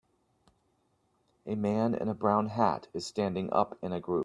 A man in a brown hat is standing up in a group.